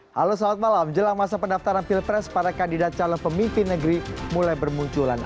halo selamat malam jelang masa pendaftaran pilpres para kandidat calon pemimpin negeri mulai bermunculan